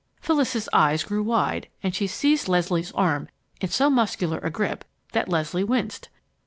Phyllis's eyes grew wide and she seized Leslie's arm in so muscular a grip that Leslie winced.